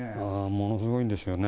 ものすごいんですよね。